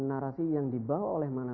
narasi yang diperlukan